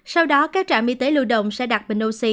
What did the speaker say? sau đó các trạm y tế lưu động sẽ đặt bình oxy